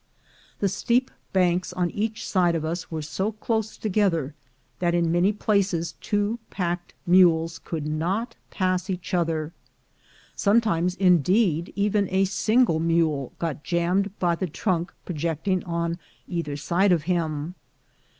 The steep banks on each side of us were so close together, that in many places two packed mules could not pass each other; sometimes, indeed, even a single mule got jammed by the trunk projecting on either side of him.